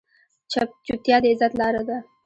چپتیا، د عزت لاره ده.